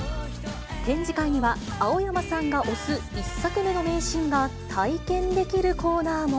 展示会には青山さんが推す１作目の名シーンが体験できるコーナーも。